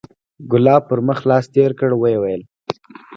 ګلاب پر مخ لاس تېر کړ ويې ويل.